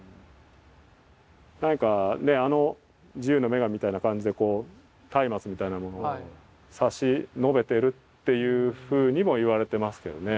何かねあの自由の女神みたいな感じでこうたいまつみたいなものを差し伸べてるっていうふうにもいわれてますけどね。